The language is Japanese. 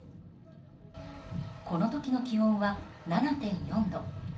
この時の気温は７．４度。